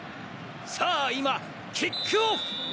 さあ今キックオフ！